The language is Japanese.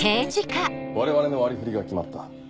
我々の割り振りが決まった。